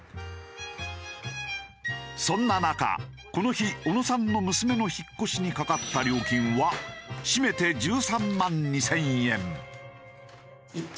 そんな中この日小野さんの娘の引っ越しにかかった料金は締めて１３万２０００円。